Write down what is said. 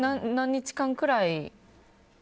３日間くらい。